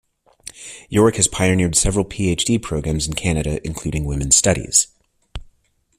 York has pioneered several PhD programs in Canada, including women's studies.